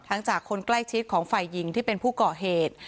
จากคนใกล้ชิดของฝ่ายหญิงที่เป็นผู้ก่อเหตุ